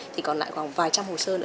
thì còn lại khoảng vài trăm hồ sơ nữa